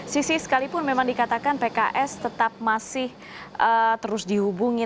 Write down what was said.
sisi sekalipun memang dikatakan pks tetap masih terus dihubungi